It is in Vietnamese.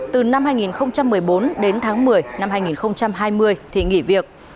từ năm hai nghìn một mươi bốn đến tháng một mươi năm hai nghìn hai mươi